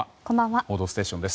「報道ステーション」です。